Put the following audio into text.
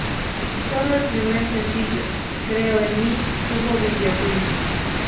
Solo el primer sencillo, Creo en mí, tuvo vídeoclip.